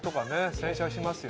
洗車はしますよ